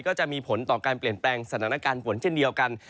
ก็จะมีผลต่อการเปลี่ยนแปลงสถานการณ์ฝนเช่นเดียวกัน